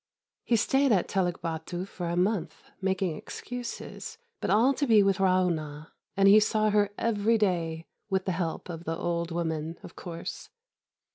He stayed at Teluk Bâtu for a month, making excuses, but all to be with Ra'ûnah; and he saw her every day with the help of the old woman, of course.